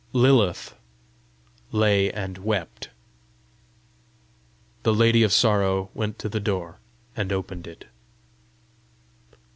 Lilith lay and wept. The Lady of Sorrow went to the door and opened it.